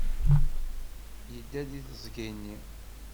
Yedda deg teẓgi-nni.